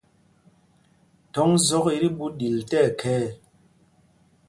Thɔŋ zɔk i tí ɓuu ɗil tí ɛkhɛɛ.